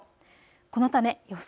このため予想